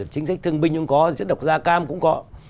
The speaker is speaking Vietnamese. chính sách thương binh cũng có chất độc da cam cũng có